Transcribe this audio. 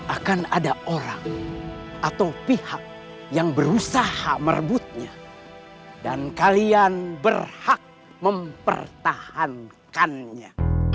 akan ada orang atau pihak yang berusaha merebutnya dan kalian berhak mempertahankannya